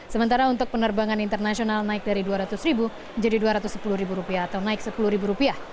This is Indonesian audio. sementara untuk penerbangan internasional naik dari rp dua ratus menjadi rp dua ratus sepuluh atau naik rp sepuluh